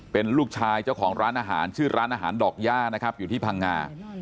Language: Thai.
เป็นลูกชายเจ้าของร้านอาหารชื่อร้านอาหารดอกย่านะครับอยู่ที่พังงา